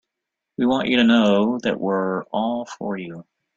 We want you to know that we're all for you.